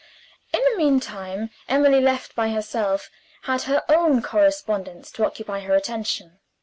In the meantime, Emily, left by herself, had her own correspondence to occupy her attention.